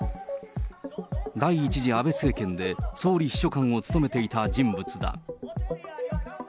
第１次安倍政権で総理秘書官を務めていた人物だ。